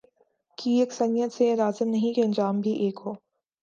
کی یکسانیت سے یہ لازم نہیں کہ انجام بھی ایک ہو